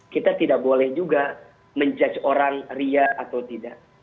kita tidak boleh juga menjudge orang ria atau tidak